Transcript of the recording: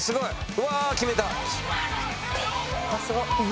うわ決めた！